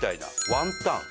ワンタン。